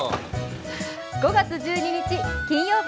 ５月１２日、金曜日。